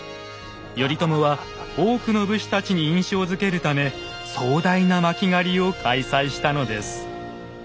頼朝は多くの武士たちに印象づけるため壮大な巻狩を開催したのです。